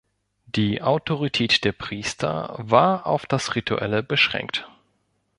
Die Autorität der Priester war aber auf das Rituelle beschränkt.